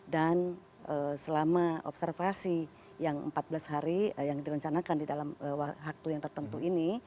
dan selama observasi yang empat belas hari yang dilancarkan di dalam waktu yang tertentu ini